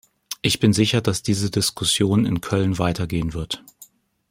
Ich bin sicher, dass diese Diskussion in Köln weitergehen wird.